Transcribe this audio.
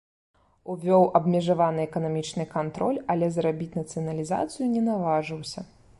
Увёў абмежаваны эканамічны кантроль, але зрабіць нацыяналізацыю не наважыўся.